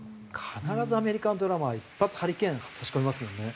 必ずアメリカのドラマは一発ハリケーン差し込みますもんね。